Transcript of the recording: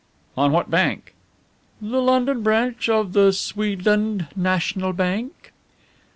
"On what bank?" "The London branch of the Swedland National Bank."